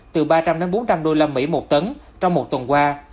từ ba trăm linh bốn trăm linh usd một tấn trong một tuần qua